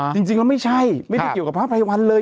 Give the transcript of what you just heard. จริงแล้วไม่ใช่ไม่ได้เกี่ยวกับพระไพรวัลเลย